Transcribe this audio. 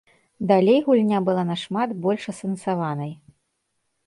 Далей гульня была нашмат больш асэнсаванай.